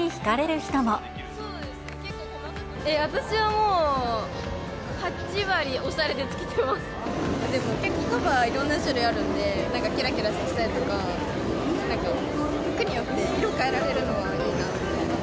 私はもう、８割おしゃれでつ結構カバーいろんな種類あるんで、なんかきらきらしたりとか、服によって色変えられるのはいいなって。